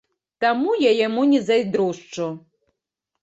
Таму я яму не зайздрошчу.